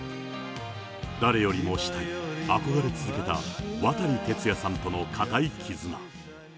誰よりも慕い、憧れ続けた、渡哲也さんとの固い絆。